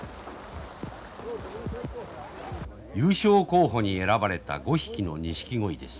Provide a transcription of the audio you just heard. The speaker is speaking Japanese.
優勝候補に選ばれた５匹のニシキゴイです。